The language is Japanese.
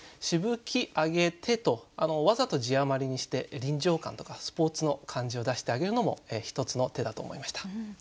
「しぶき上げて」とわざと字余りにして臨場感とかスポーツの感じを出してあげるのも一つの手だと思いました。